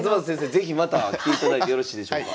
是非また来ていただいてよろしいでしょうか？